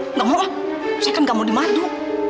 nggak mau saya kan gak mau dimadu